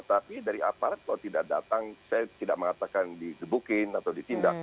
tapi dari aparat kalau tidak datang saya tidak mengatakan digebukin atau ditindak